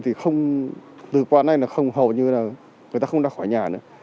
thì từ qua nay là không hầu như là người ta không ra khỏi nhà nữa